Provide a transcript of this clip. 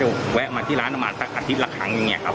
ใช่ครับผมก็จะแวะมาที่ร้านประมาณสักอาทิตย์ละครั้งอย่างเนี่ยครับ